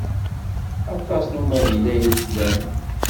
Aṭas n umahil ay tlamt?